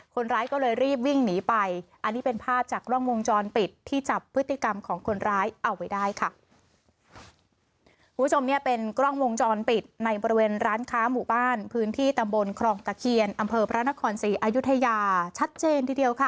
บนคลองกะเคียนอำเภอพระนครสี่อายุทยาชัดเจนทีเดียวค่ะ